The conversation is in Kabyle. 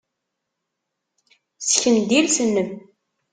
Ssken-d iles-nnem.